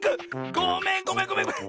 ごめんごめんごめんごめん！